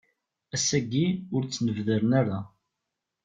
Ass-agi ur ttnebdaren ara.